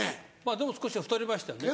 でも少し太りましたね